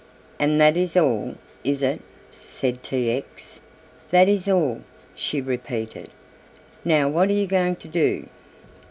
"And that is all, is it?" said T. X. "That is all," she repeated; "now what are you going to do?"